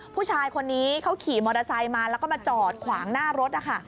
ผู้ชายคนนี้เขาขี่มอเตอร์ไซค์มาแล้วก็มาจอดขวางหน้ารถนะคะ